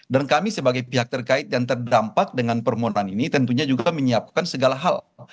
kami sebagai pihak terkait yang terdampak dengan permohonan ini tentunya juga menyiapkan segala hal